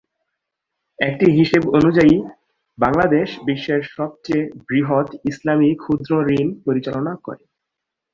একটি হিসেব অনুযায়ী, বাংলাদেশ বিশ্বের সবচেয়ে বৃহৎ ইসলামি ক্ষুদ্রঋণ পরিচালনা করে।